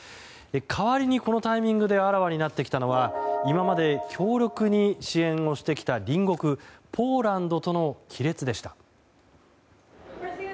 代わりに、このタイミングであらわになってきたのは今まで強力に支援をしてきた隣国ポーランドとの亀裂でした。